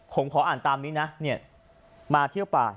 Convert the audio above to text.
ผมขออ่านตามนี้นะเนี่ยมาเที่ยวป่า